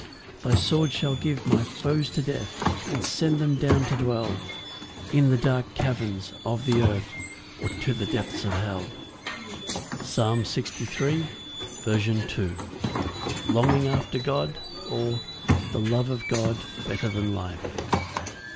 6 Thy sword shall give my foes to death, And send them down to dwell In the dark caverns of the earth, Or to the deeps of hell. Psalm 63:3. L. M. Longing after God; or, The love of God better than life.